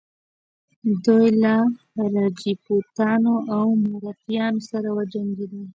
دوی له راجپوتانو او مراتیانو سره وجنګیدل.